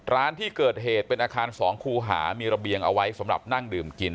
ร้านที่เกิดเหตุเป็นอาคาร๒คู่หามีระเบียงเอาไว้สำหรับนั่งดื่มกิน